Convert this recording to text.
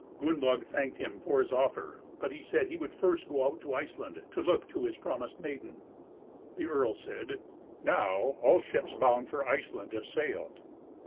Gunnlaug thanked him for his offer, but said he would first go out to Iceland, to look to his promised maiden. The earl said, "Now all ships bound for Iceland have sailed."